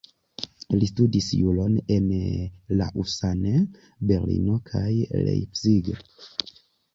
Li studis juron en Lausanne, Berlino kaj Leipzig.